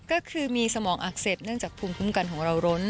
ก็คือมีสมองอักเสบเนื่องจากภูมิคุ้มกันของเราร้น